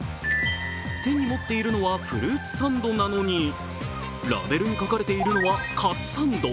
手に持っているのはフルーツサンドなのに、ラベルに書かれているのは「カツサンド」。